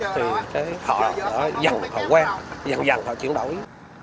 thì họ dần họ quen dần dần họ chuyển đổi